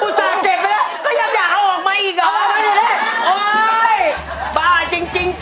สั่งเจ็บไปแล้วก็ยังอยากเอาออกมาอีกเหรอ